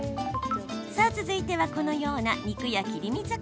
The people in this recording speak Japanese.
さあ続いてはこのような肉や切り身魚。